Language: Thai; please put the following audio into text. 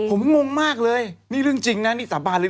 ผมงงมากเลยนี่เรื่องจริงนะนี่สาบานเลย